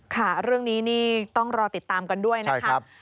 ค่ะเรื่องนี้นี่ต้องรอติดตามกันด้วยนะครับ